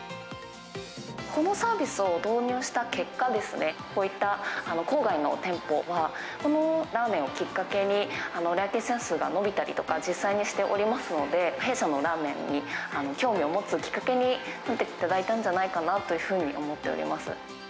このサービスを導入した結果ですね、こういった郊外の店舗は、このラーメンをきっかけに、来店者数が伸びたりとか、実際にしておりますので、弊社のラーメンに興味を持つきっかけになっていただいたんじゃないかなというふうに思っております。